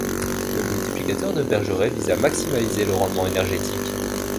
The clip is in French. Le multiplicateur de Bergeret vise à maximaliser le rendement énergétique.